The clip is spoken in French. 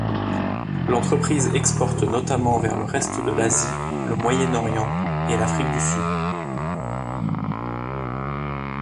L'entreprise exporte notamment vers le reste de l'Asie, le Moyen-Orient et l'Afrique du Sud.